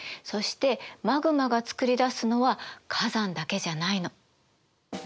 そしてマグマがつくりだすのは火山だけじゃないの。